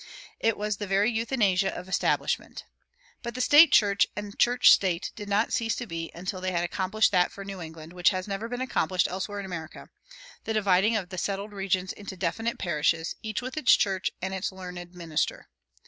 It was the very euthanasia of establishment. But the state church and church state did not cease to be until they had accomplished that for New England which has never been accomplished elsewhere in America the dividing of the settled regions into definite parishes, each with its church and its learned minister.